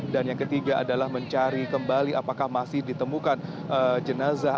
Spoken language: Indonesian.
dan yang ketiga adalah mencari kembali apakah masih ditemukan jenazah